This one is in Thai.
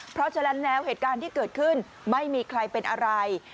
เพราะฉะนั้นแล้วเหตุการณ์ที่เกิดขึ้นไม่มีใครเป็นอะไร